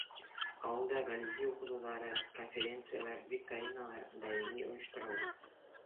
Ауылда Вәлиди уҡыуҙары, конференциялар, викториналар даими ойошторола.